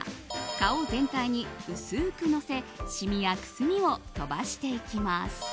顔全体に薄くのせシミやくすみを飛ばしていきます。